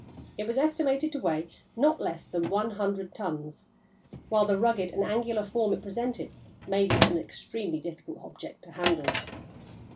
It was estimated to weigh not less than one hundred tons, while the rugged and angular form it presented made it an extremely difficult object to handle.